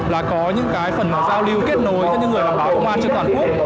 là có những cái phần giao lưu kết nối giữa những người làm báo công an trên toàn quốc